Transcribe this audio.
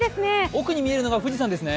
奥に見えるのが富士山ですね。